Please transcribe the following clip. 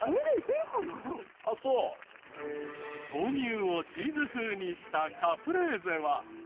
豆乳をチーズ風にしたカプレーゼは。